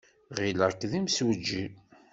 Ɣileɣ-k d imsujji.